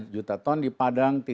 dua lima juta ton di padang